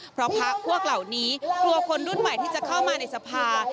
เพราะพักพวกเหล่านี้กลัวคนรุ่นใหม่ที่จะเข้ามาในสภา